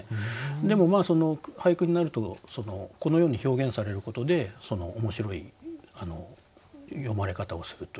でも俳句になるとこのように表現されることで面白い詠まれ方をするということですね。